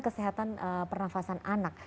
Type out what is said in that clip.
kesehatan pernafasan anak